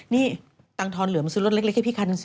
นี่ตังทอนเหลือมาซื้อรถเล็กให้พี่คันหนึ่งสิ